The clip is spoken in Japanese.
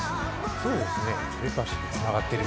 そうですね。